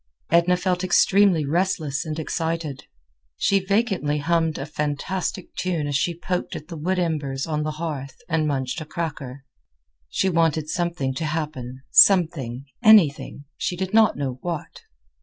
Edna felt extremely restless and excited. She vacantly hummed a fantastic tune as she poked at the wood embers on the hearth and munched a cracker. She wanted something to happen—something, anything; she did not know what.